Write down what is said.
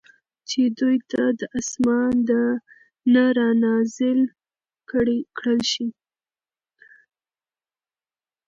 چې دوی ته د آسمان نه را نازل کړل شي